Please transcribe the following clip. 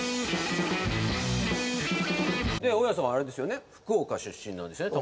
大家さんはあれですよね福岡出身なんですよね？